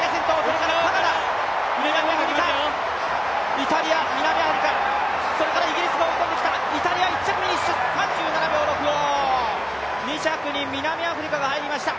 イタリア、南アフリカ、イギリスが追い込んできたイタリア１着フィニッシュ３７秒６５２着に南アフリカが入りました。